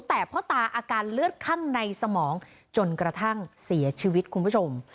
แต่พ่อตาอาการเลือดคั่งในสมองจนกระทั่งเสียชีวิตคุณผู้ชม